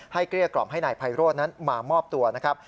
เกลี้ยกล่อมให้นายไพโรธนั้นมามอบตัวนะครับ